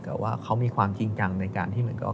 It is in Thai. แต่ว่าเขามีความจริงจังในการที่เหมือนกับ